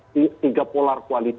tiga polar kualiti